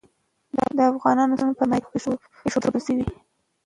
د افغانانو سرونه پر میدان ایښودل سوي.